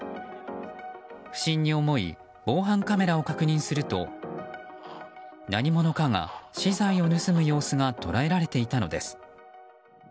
不審に思い防犯カメラを確認すると何者かが資材を盗む様子が捉えられていたのです。